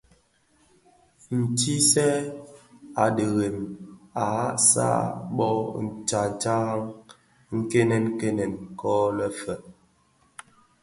Ntizèn a dhirem a ghasag bō tsantaraň nkènkènèn ko le fe,